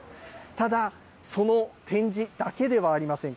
ただ、その展示だけではありません。